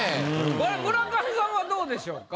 これ村上さんはどうでしょうか？